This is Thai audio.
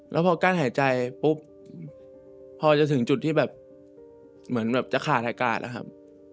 แล้วพอกั้นหายใจปุ๊บพอจะถึงจุดที่แบบเหมือนแบบจะขาดหายกาดนะครับ